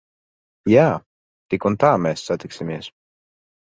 Jā. Tik un tā mēs satiksimies.